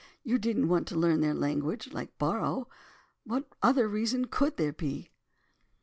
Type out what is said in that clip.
You didn't want to learn their language, like Borrow—what other reason could there be?"